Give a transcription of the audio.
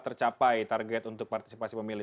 tercapai target untuk partisipasi pemilih